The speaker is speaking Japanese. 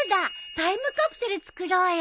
タイムカプセル作ろうよ。